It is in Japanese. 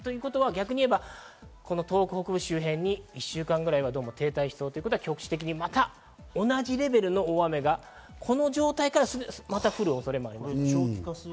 逆に言えば東北北部周辺に１週間くらいはずっと停滞しそうですから、局地的にまた同じレベルの大雨がこの状態からまた降る恐れがあります。